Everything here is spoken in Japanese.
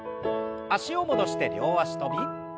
脚を戻して両脚跳び。